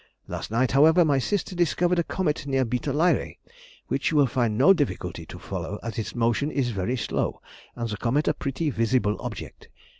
Last night, however, my sister discovered a comet near β Lyræ, which you will find no difficulty to follow as its motion is very slow, and the comet a pretty visible object.